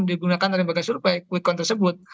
digunakan dari bagian survei kuikon tersebut